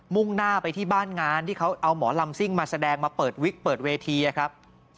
่งหน้าไปที่บ้านงานที่เขาเอาหมอลำซิ่งมาแสดงมาเปิดวิกเปิดเวทีครับ